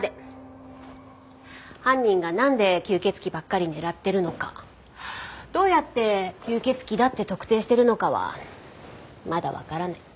犯人がなんで吸血鬼ばっかり狙ってるのかどうやって吸血鬼だって特定してるのかはまだわからない。